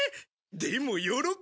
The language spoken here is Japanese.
でも喜べ。